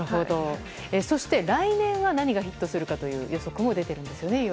そして、来年は何がヒットするかという予測も出ているんですよね。